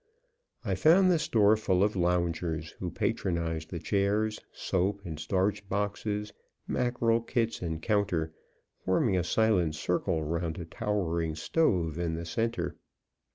I found the store full of loungers, who patronized the chairs, soap and starch boxes, mackerel kits and counter, forming a silent circle round a towering stove in the center.